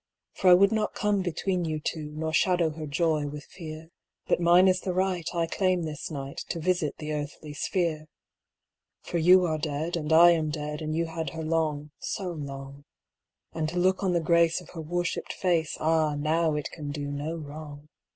'For I would not come between you two, Nor shadow her joy with fear, But mine is the right, I claim this night To visit the earthly sphere. 'For you are dead, and I am dead, And you had her long—so long. And to look on the grace of her worshipped face, Ah! now it can do no wrong.